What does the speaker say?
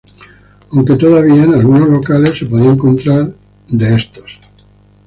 Aunque todavía, en algunos locales, se podían encontrar de estos.